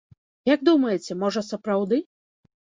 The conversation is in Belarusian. Як думаеце, можа, сапраўды?